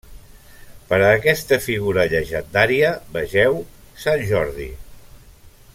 Per a aquesta figura llegendària vegeu Sant Jordi.